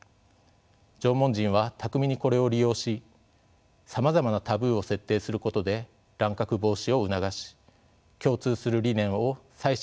縄文人は巧みにこれを利用しさまざまなタブーを設定することで乱獲防止を促し共通する理念を祭祀・儀礼の場で確認し合ったのでしょう。